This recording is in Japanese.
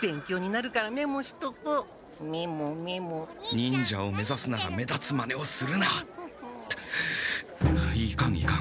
忍者を目指すなら目立つまねをするないかん